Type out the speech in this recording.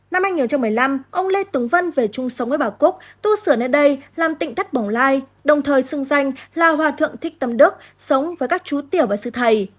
năm hai nghìn một mươi năm ông lê tuấn vân về chung sống với bà cúc tu sửa nơi đây làm tịnh thất bồng lai đồng thời xưng danh là hòa thượng thích tâm đức sống với các chú tiểu và sư thầy